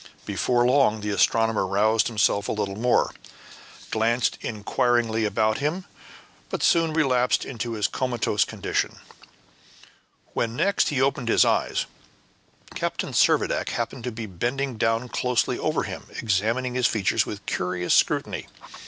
Before long the astronomer roused himself a little more, and glanced inquiringly about him, but soon relapsed into his comatose condition. When next he opened his eyes, Captain Servadac happened to be bending down closely over him, examining his features with curious scrutiny.